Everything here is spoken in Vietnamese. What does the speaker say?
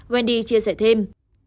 wendy chia sẻ thêm